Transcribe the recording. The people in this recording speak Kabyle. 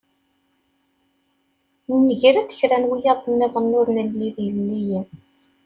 Nger-d kra n wiyaḍ-nniḍen ur nelli d ilelliyen.